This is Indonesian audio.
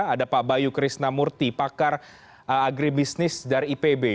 ada pak bayu krisnamurti pakar agribisnis dari ipb